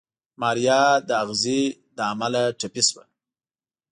ماريا د اغزي له امله ټپي شوه.